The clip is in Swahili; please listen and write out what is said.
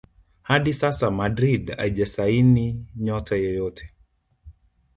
hadi sasa Madrid haijasaini nyota yeyote